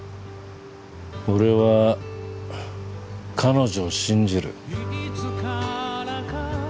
俺は彼女を信じる。